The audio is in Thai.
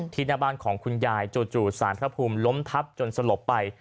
หน้าบ้านของคุณยายจู่สารพระภูมิล้มทับจนสลบไป